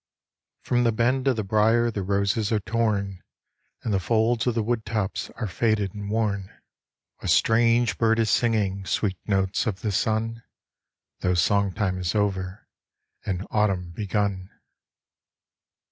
From the bend of the briar The roses are torn, And the folds of the wood tops Are faded and worn. 177 178 AUTUMN EVENING IN SERBIA A Strange bird is singing Sweet notes of the sun, Tho' song time is over And Autumn begun.